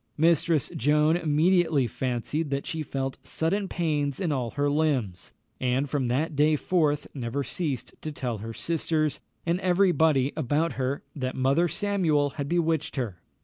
Mistress Joan immediately fancied that she felt sudden pains in all her limbs, and from that day forth never ceased to tell her sisters, and every body about her, that Mother Samuel had bewitched her.